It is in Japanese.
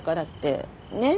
ねえ？